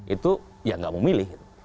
itu ya gak mau memilih